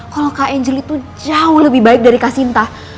kalau kak angelie tuh jauh lebih baik dari kak sinta